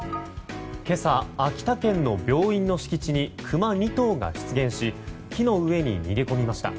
今朝秋田県の病院の敷地にクマ２頭が出現し木の上に逃げ込みました。